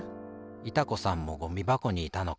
いた子さんもゴミばこにいたのか。